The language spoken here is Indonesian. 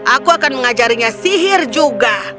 aku akan mengajarinya sihir juga